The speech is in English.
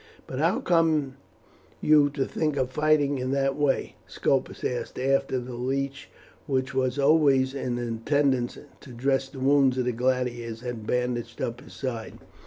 "But how came you to think of fighting in that way?" Scopus asked, after the leech, who was always in attendance to dress the wounds of the gladiators, had bandaged up his side.